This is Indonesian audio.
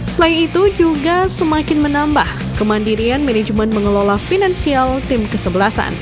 selain itu juga semakin menambah kemandirian manajemen mengelola finansial tim kesebelasan